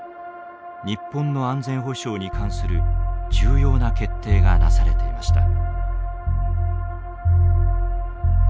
日本の安全保障に関する重要な決定がなされていました。